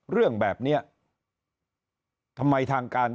เรื่องแบบนี้ทำไมทางการ